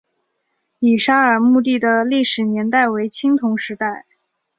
乙沙尔墓地的历史年代为青铜时代。